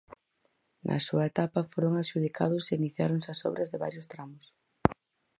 Na súa etapa foron adxudicados e iniciáronse as obras de varios tramos.